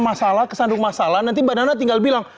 masalah kesandung masalah nanti badanah tinggal bilang